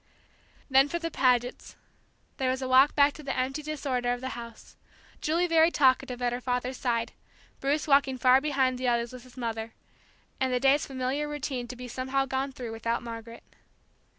Then for the Pagets there was a walk back to the empty disorder of the house: Julie very talkative, at her father's side; Bruce walking far behind the others with his mother, and the day's familiar routine to be somehow gone through without Margaret.